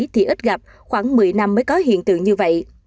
thì ít gặp khoảng một mươi năm mới có hiện tượng như vậy